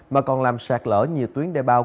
mà còn làm sạt lở nhiều tuyến đe bao